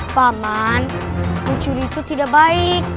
paman lucuri itu tidak baik